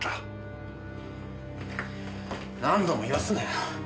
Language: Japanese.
何度も言わすなよ。